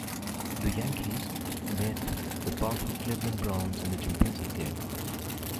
The Yankees met the powerful Cleveland Browns in the championship game.